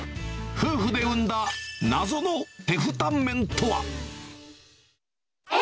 夫婦で生んだ謎のテフタンメンとは？